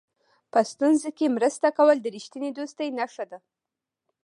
په ستونزو کې مرسته کول د رښتینې دوستۍ نښه ده.